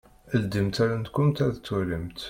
Ldimt allen-nkunt ad twalimt.